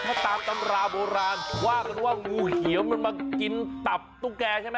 ถ้าตามตำราโบราณว่ากันว่างูเขียวมันมากินตับตุ๊กแกใช่ไหม